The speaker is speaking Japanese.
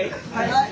はい。